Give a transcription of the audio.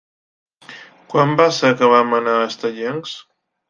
Quan va ser que vam anar a Estellencs?